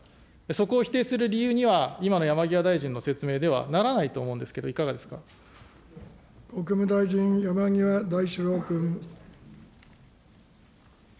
そこを否定する理由には、今の山際大臣の説明ではならないと思う国務大臣、山際大志郎君。